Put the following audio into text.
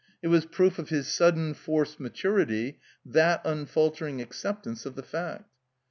It was proof of his sudden, forced maturity, that unfaltering accept ance of the fact.